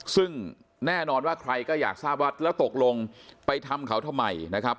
ซึ่งแน่นอนว่าใครก็อยากทราบว่าแล้วตกลงไปทำเขาทำไมนะครับ